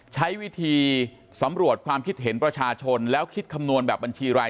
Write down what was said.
ใช้วิธีสำรวจความคิดเห็นประชาชนแล้วคิดคำนวณแบบบัญชีราย